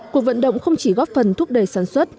cuộc vận động không chỉ góp phần thúc đẩy sản xuất